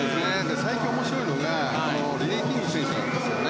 最近、面白いのがリリー・キング選手いますよね。